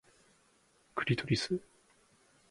クリトリス